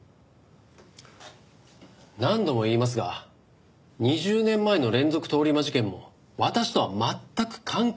何度も言いますが２０年前の連続通り魔事件も私とは全く関係ありません。